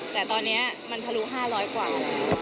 แต่ตอนนี้มันทะลุ๕๐๐กว่า